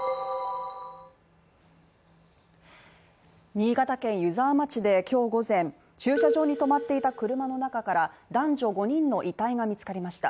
新潟県湯沢町で今日午前駐車場に止まっていた車の中から男女５人の遺体が見つかりました。